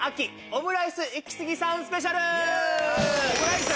オムライス！